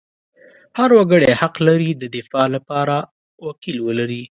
هر وګړی حق لري د دفاع لپاره وکیل ولري.